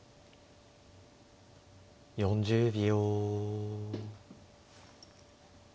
４０秒。